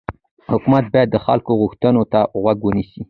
حکومت باید د خلکو غوښتنو ته غوږ ونیسي